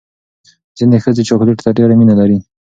ځینې ښځې چاکلیټ ته ډېره مینه لري.